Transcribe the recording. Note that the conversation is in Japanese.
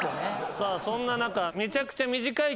さあそんな中。